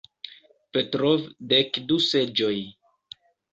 Petrov "Dek du seĝoj".